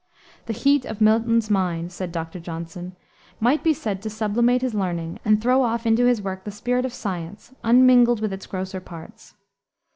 "The heat of Milton's mind," said Dr. Johnson, "might be said to sublimate his learning and throw off into his work the spirit of science, unmingled with its grosser parts."